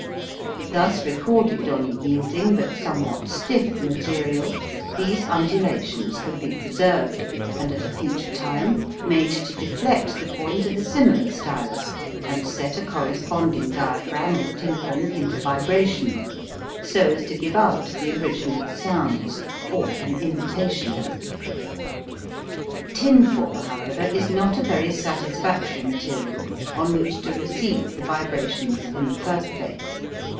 Thus recorded on a yielding but somewhat stiff material, these undulations could be preserved, and at a future time made to deflect the point of a similar stylus, and set a corresponding diaphragm or tympan into vibration, so as to give out the original sounds, or an imitation of them. Tinfoil, however, is not a very satisfactory material on which to receive the vibrations in the first place.